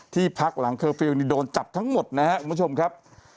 ที่พักหลังเคอร์ฟิลล์นี่โดนจับทั้งหมดนะครับคุณผู้ชมครับ